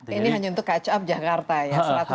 ini hanya untuk coach up jakarta ya